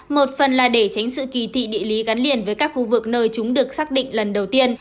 một phần là để tránh sự kỳ thị địa lý gắn liền với các khu vực nơi chúng được xác định lần đầu tiên